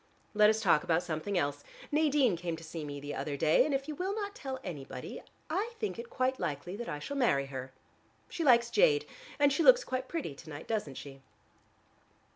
Let us talk about something else. Nadine came to see me the other day, and if you will not tell anybody, I think it quite likely that I shall marry her. She likes jade. And she looks quite pretty to night, doesn't she?"